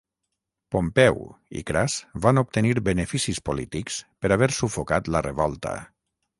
Pompeu i Cras van obtenir beneficis polítics per haver sufocat la revolta.